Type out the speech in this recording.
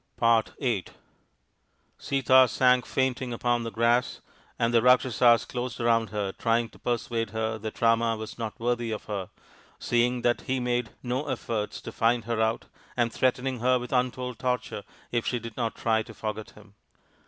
36 THE INDIAN STORY BOOK VIII Sita sank fainting upon the grass, and the Rak shasas closed around her trying to persuade her that Rama was not worthy of her, seeing that he made no efforts to find her out, and threatening her with untold torture if she did not try to forget him.